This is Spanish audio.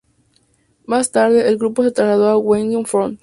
Más tarde, el grupo se trasladó a Wellington Front.